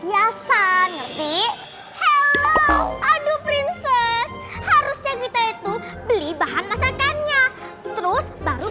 perasaan ngerti aduh prinsip harusnya gitu itu beli bahan masakannya terus baru